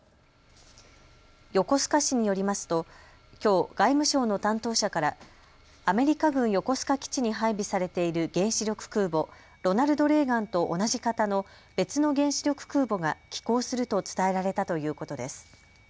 横須賀市によりますときょう外務省の担当者からアメリカ軍横須賀基地に配備されている原子力空母ロナルド・レーガンと同じ型の別の原子力空母が寄港すると伝えられたということです。